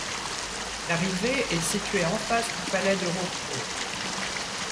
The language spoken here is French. L'arrivée est située en face du palais de Hofburg.